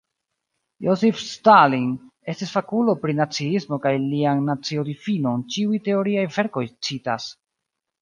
Josif Stalin estis fakulo pri naciismo kaj lian nacio-difinon ĉiuj teoriaj verkoj citas.